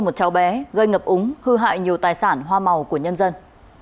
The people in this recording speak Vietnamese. một cháu bé gây ngập úng hư hại nhiều tài sản hoa màu của nhân dân